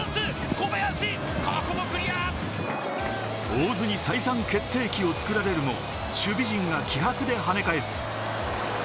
大津に再三決定機を作られるも、守備陣が気迫で跳ね返す。